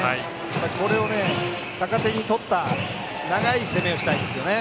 これを逆手にとった長い攻めをしたいですね。